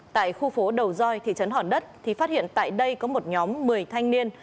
tại khu phố đầu doi thị trấn hòn đất thì phát hiện tại đây có một nhóm một mươi thanh niên